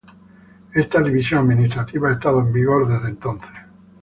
Esta división administrativa ha estado en vigor desde entonces.